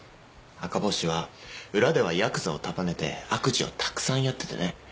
赤星は裏ではヤクザを束ねて悪事をたくさんやっててね。